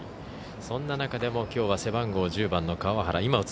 そんな中でもきょうは背番号１０番の川原。